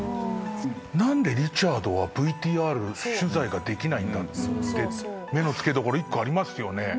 何でリチャードはＶＴＲ取材ができないんだって目の付けどころ１個ありますよね。